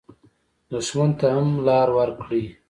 دښمن ته هم لار ورکړئ